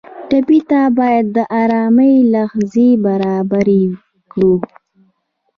ټپي ته باید د ارامۍ لحظې برابرې کړو.